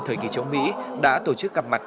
thời kỳ chống mỹ đã tổ chức gặp mặt